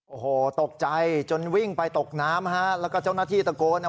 โอ้โหตกใจจนวิ่งไปตกน้ำแล้วก็เจ้าหน้าที่ตะโกน